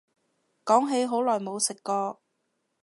講起好耐冇食過